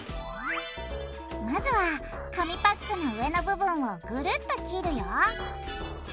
まずは紙パックの上の部分をグルっと切るよ